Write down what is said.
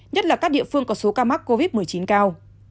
nhất là các địa phương có số ca mắc covid một mươi chín cao